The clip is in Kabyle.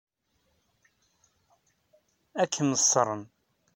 Ad kem-ṣṣren.